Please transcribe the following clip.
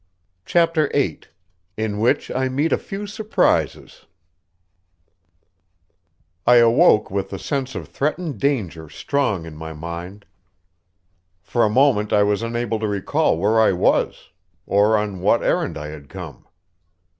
CHAPTER VIII IN WHICH I MEET A FEW SURPRISES I awoke with the sense of threatened danger strong in my mind. For a moment I was unable to recall where I was, or on what errand I had come.